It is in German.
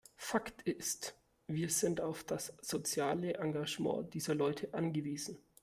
Fakt ist, wir sind auf das soziale Engagement dieser Leute angewiesen.